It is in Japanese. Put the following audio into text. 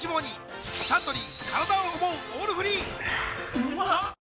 うまっ！